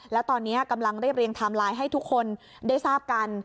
แล้วตอนนี้กำลังเรียบเรียงไทม์ไลน์ให้ทุกคนได้ทราบกัน